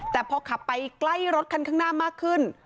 แต่พอขับไปใกล้รถคันข้างหน้ามากขึ้น